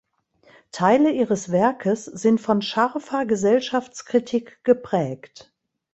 Teile ihres Werkes sind von scharfer Gesellschaftskritik geprägt.